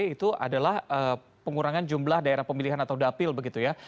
itu adalah pengurangan jumlah daerah pemilihan atau dapil begitu ya